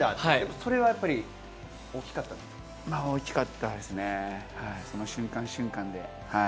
それは大きか大きかったです、その瞬間瞬間で。